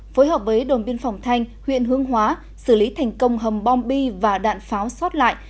phối hợp với đồn biên phòng thanh huyện hướng hóa xử lý thành công hầm bom bi và đạn pháo xót lại